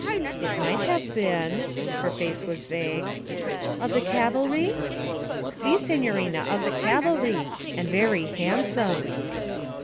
'It might have been.' Her face was vague. 'Of the cavalry?' 'Si, signorina, of the cavalry and very handsome.'